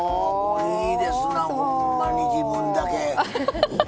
いいですなほんまに自分だけ。